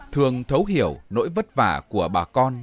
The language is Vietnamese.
thường thấu hiểu nỗi vất vả của bà con